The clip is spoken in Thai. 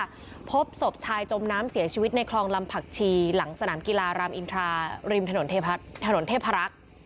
พบศพชายจมน้ำเสียชีวิตในคลองลำผักชีหลังสนามกีฬารามอินทราริมถนนเทพรักษ์